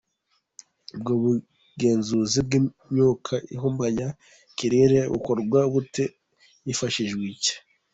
Ubwo bugenzuzi bw’imyuka ihumanya ikirere bukorwa bute, hifashishwa iki?.